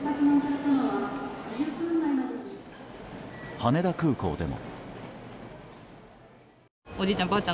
羽田空港でも。